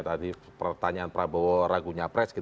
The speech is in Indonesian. tadi pertanyaan prabowo ragunya pres